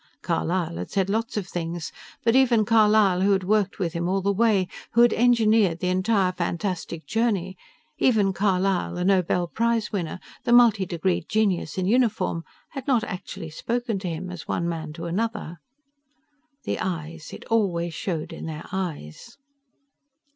Carlisle had said lots of things, but even Carlisle who had worked with him all the way, who had engineered the entire fantastic journey even Carlisle the Nobel prize winner, the multi degreed genius in uniform, had not actually spoken to him as one man to another. _The eyes. It always showed in their eyes.